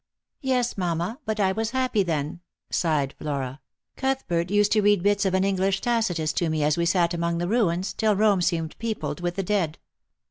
" Yes, mamma, but I was happy then," sighed Flora. " Cuth tiert used to read bits of an English Tacitus to me as we sat among the ruins, till Rome seemed peopled with the dead.